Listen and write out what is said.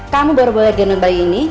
kamu baru boleh dengan bayi ini